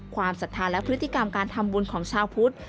ศรัทธาและพฤติกรรมการทำบุญของชาวพุทธ